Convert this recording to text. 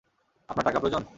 আপনার টাকা প্রয়োজন?